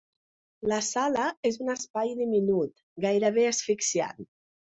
La sala és un espai diminut, gairebé asfixiant.